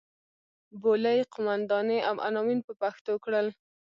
بولۍ قوماندې او عناوین په پښتو کړل.